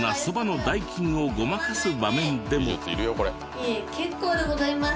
いえ結構でございます。